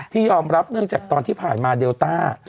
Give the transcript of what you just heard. ยอมรับเนื่องจากตอนที่ผ่านมาเดลต้า